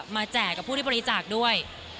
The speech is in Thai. แจกกับผู้ที่บริจาคด้วย